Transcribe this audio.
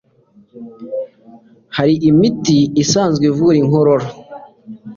Hari imiti isanzwe ivura inkorora